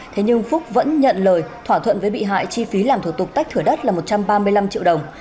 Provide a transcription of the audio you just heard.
thế nhưng phúc vẫn nhận lời thỏa thuận với bị hại chi phí làm thủ tục tách thửa đất là một trăm ba mươi năm triệu đồng